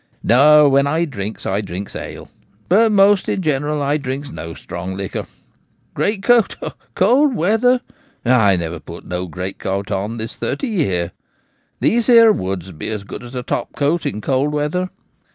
No ; when I drinks, I drink^ ale : but most in general I drinks no strong liquor. Great coat !— cold weather ! I never put no great coat on this thirty year. These here woods be as good as a topcoat in cold weather.